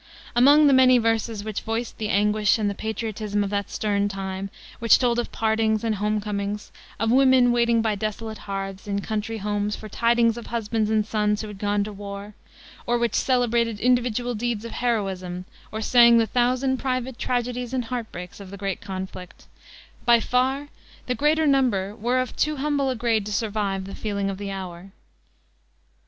Among the many verses which voiced the anguish and the patriotism of that stern time, which told of partings and homecomings, of women waiting by desolate hearths, in country homes, for tidings of husbands and sons who had gone to the war, or which celebrated individual deeds of heroism or sang the thousand private tragedies and heart breaks of the great conflict, by far the greater number were of too humble a grade to survive the feeling of the hour.